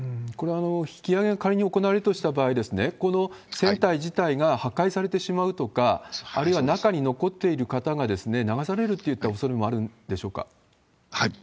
この引き揚げが仮に行われるとした場合、船体自体が破壊されてしまうとか、あるいは中に残っている方が流されるといったおそれもあるんでしはい。